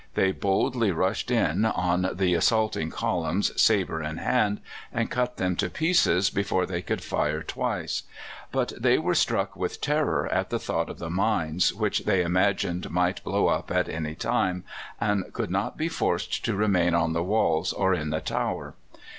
They boldly rushed in on the assaulting columns, sabre in hand, and cut them to pieces before they could fire twice. But they were struck with terror at the thought of the mines which they imagined might blow up at any time, and could not be forced to remain on the walls or in the tower.